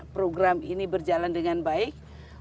program ini berjalan dengan baik